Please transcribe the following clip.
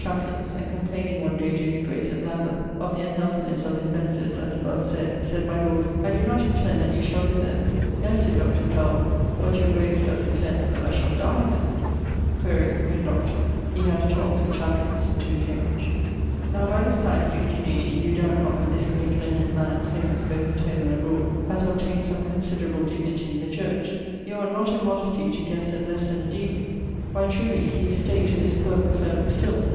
] chapleines; and complaining one day to his Grace at Lambith of the unhealthinesse of his benefice as abovesayd, sayd my Lord, 'I doe not intend that you shall live there.' 'No,' sayd [Doctor] Pell, ('but your grace does intend that) I shall die there.' [XLVI.] Quaere, when Doctor. [XLVII.] He haz 2 Oxford chaplaines and 2 Cambridge. Now by this time (1680), you doubt not but this great, learned man, famous both at home and abroad, haz obtained some considerable dignity in the church. You ought not in modestie to ghesse at lesse then a deanery. Why, truly, he is stak't to this poor preferment still!